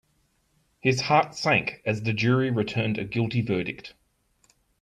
His heart sank as the jury returned a guilty verdict.